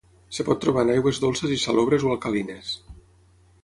Es pot trobar en aigües dolces i salobres o alcalines.